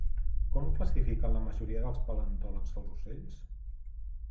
Com classifiquen la majoria dels paleontòlegs els ocells?